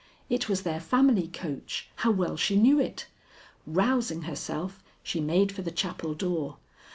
It was their family coach. How well she knew it! Rousing herself, she made for the chapel door.